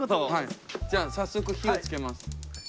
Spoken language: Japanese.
じゃあ早速火をつけます。